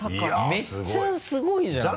めっちゃすごいじゃない。